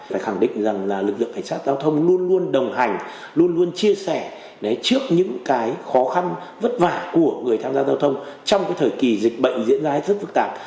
phải khẳng định rằng lực lượng cảnh sát giao thông luôn luôn đồng hành luôn luôn chia sẻ trước những cái khó khăn vất vả của người tham gia giao thông trong cái thời kỳ dịch bệnh diễn ra hết rất phức tạp